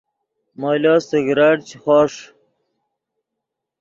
مولو سگریٹ چے خوݰ